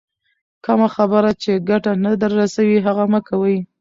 کمه خبر چي ګټه نه در رسوي، هغه مه کوئ!